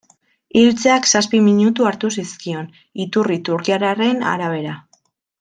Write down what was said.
Hiltzeak zazpi minutu hartu zizkion, iturri turkiarraren arabera.